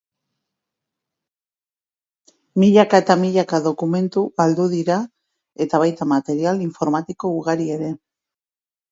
Milaka eta milaka dokumentu galdu dira eta baita material informatiko ugari ere.